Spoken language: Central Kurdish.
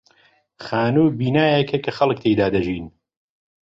خانوو بینایەکە کە خەڵک تێیدا دەژین.